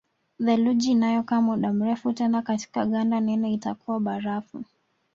Theluji inayokaa muda mrefu tena katika ganda nene itakuwa barafu